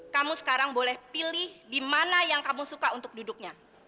kamu sekarang boleh pilih di mana yang kamu suka untuk duduknya